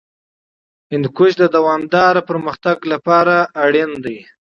هندوکش د دوامداره پرمختګ لپاره اړین دی.